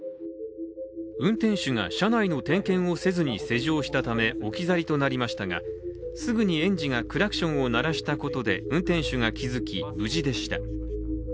運転手が車内の点検をせずに施錠したため置き去りとなりましたが、すぐに園児がクラクションを鳴らしたことで運転手が気づき、無事でした。